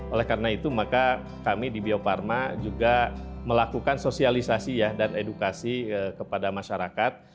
oleh karena itu maka kami di bio farma juga melakukan sosialisasi ya dan edukasi kepada masyarakat